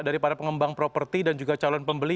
dari para pengembang properti dan juga calon pembeli